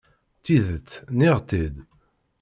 Tidet, nniɣ-tt-id.